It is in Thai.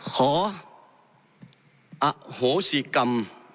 ขออโหสิกรรม